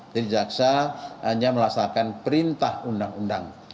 jadi jaksa hanya melaksanakan perintah undang undang